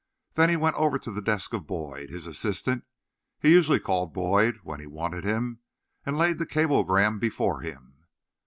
Then he went over to the desk of Boyd, his assistant (he usually called Boyd when he wanted him), and laid the cablegram before him.